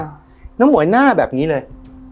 อ่าน้องหมวยหน้าแบบนี้เลย